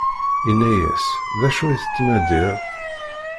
inna-yas: D acu i tettnadiḍ?